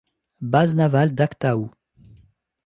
Base navale d'Aktaou.